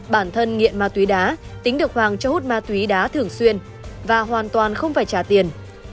bản thân nghiện ma túy đá tính được hoàng cho hút ma túy đá thường xuyên và hoàn toàn không phải trả tiền